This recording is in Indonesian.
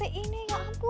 sampai ini gak ampun